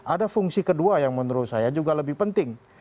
ada fungsi kedua yang menurut saya juga lebih penting